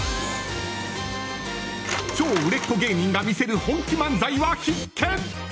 超売れっ子芸人が見せる本気漫才は必見。